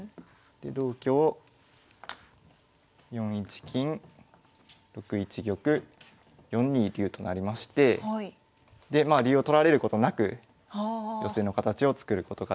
で同香４一金６一玉４二竜となりましてでまあ竜を取られることなく寄せの形を作ることができました。